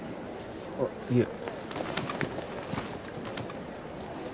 あっいえ